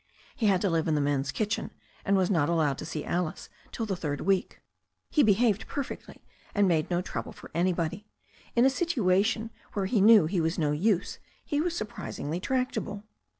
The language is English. He had to live in the men's kitchen, and was not allowed to see Alice till the third week. He behaved perfectly, and made 92 THE STORY OF A NEW ZEALAND RIVER no trouble for anybody. In a situation where he knew he was no use he was surprisingly tractable.